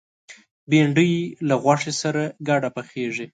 بېنډۍ له غوښې سره ګډه پخېږي